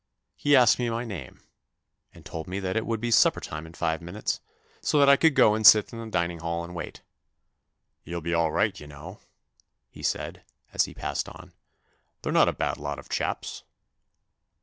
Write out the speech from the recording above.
He asked me my name, and told me that it would be supper time in five minutes, so that I could go and sit in the dining hall and wait. " You'll be all right, you know," he said, as he passed on ;" they're not a bad lot of chaps."